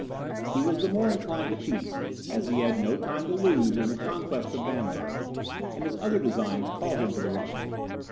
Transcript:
He was the more inclined to peace, as he had no time to lose in the conquest of Bamberg, and his other designs called him to the Rhine.